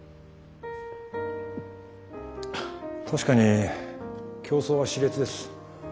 確かに競争は熾烈です。